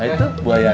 nah itu buaya